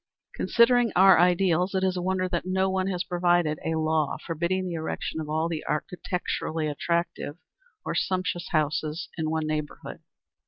Considering our ideals, it is a wonder that no one has provided a law forbidding the erection of all the architecturally attractive, or sumptuous houses in one neighborhood.